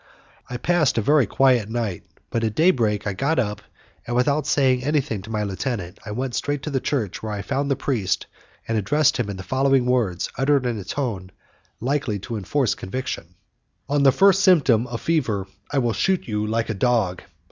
I passed a very quiet night, but at day break I got up, and without saying anything to my lieutenant, I went straight to the church where I found the priest, and addressed him in the following words, uttered in a tone likely to enforce conviction: "On the first symptom of fever, I will shoot you like a dog.